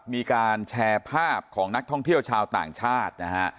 มีการแชร์ภาพของนักท่องเที่ยวชาวต่างชาตินะฮะ